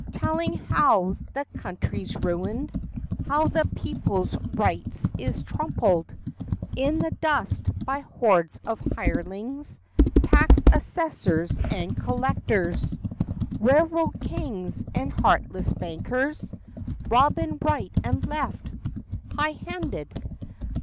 Tellin' how the country's ruined ! How the people's rights is trompled In the dust by hordes of hirelings— Tax assessors and collectors, Railroad kings and heartless bankers— Robbin' right and left, high handed.